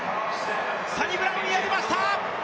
サニブラウン、やりました！